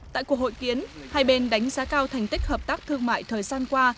tại cuộc hội kiến hai bên đánh giá cao thành tích hợp tác thương mại thời gian qua